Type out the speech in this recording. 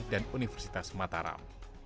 dan universitas mataram